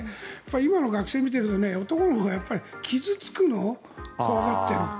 今の学生を見ていると男の子が傷付くのを怖がっている。